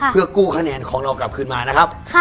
เต็มกู้คะแนนของเรากลับขึ้นมานะครับ